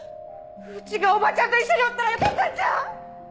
うちがおばちゃんと一緒におったらよかったんちゃ！